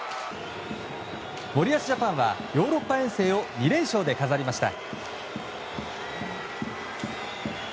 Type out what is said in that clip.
森保ジャパンはヨーロッパ遠征を２連勝で飾りました。